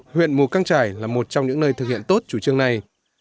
huyện mù căng trải là một trong những nơi thực hiện tốt chủ trương này